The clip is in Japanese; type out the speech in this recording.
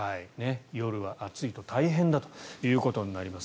夜は暑いと大変だということになります。